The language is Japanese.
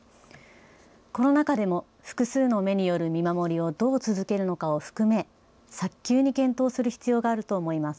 コロナ禍での複数の目による見守りをどう続けるのかを含め早急に検討する必要があると思います。